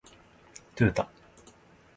トヨタ